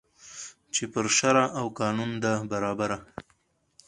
چي پر شرع او قانون ده برابره